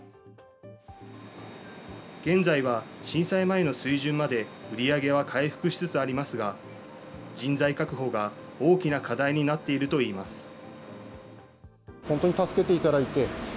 現在は震災前の水準まで売り上げは回復しつつありますが、人材確保が大きな課題になっているといいます。